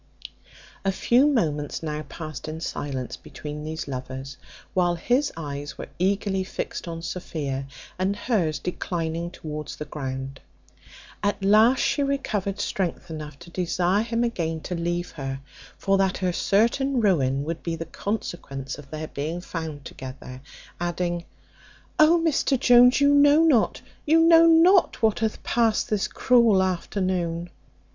A few moments now passed in silence between these lovers, while his eyes were eagerly fixed on Sophia, and hers declining towards the ground: at last she recovered strength enough to desire him again to leave her, for that her certain ruin would be the consequence of their being found together; adding, "Oh, Mr Jones, you know not, you know not what hath passed this cruel afternoon."